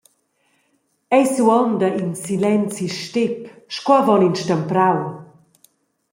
Ei suonda in silenzi step sco avon in stemprau.